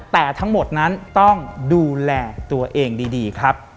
แต่ทั้งหมดนั้นต้องดูแลตัวเองดีครับ